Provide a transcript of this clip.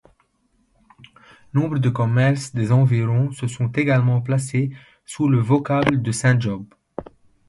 Nombre de commerces des environs se sont également placés sous le vocable de ‘Saint-Job’.